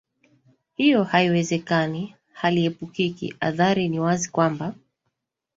hiyo haiwezekani haliepukiki adhari ni wazi kwamba